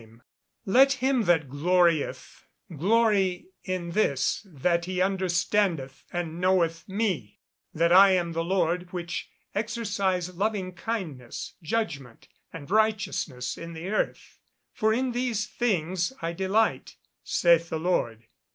[Verse: "Let him that glorieth glory in this that he understandeth and knoweth me, that I am the Lord which exercise loving kindness, judgment, and righteousness in the earth: for in these things I delight, saith the Lord."